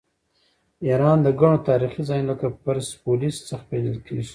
ایران د ګڼو تاریخي ځایونو لکه پرسپولیس څخه پیژندل کیږي.